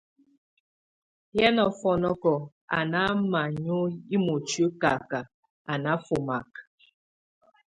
Yé nafɔnɔk a ná manye imoti kakak a náfomak.